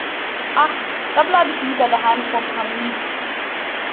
Ach, da bleibe ich lieber daheim vorm Kamin.